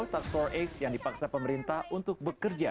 task force x yang dipaksa pemerintah untuk bekerja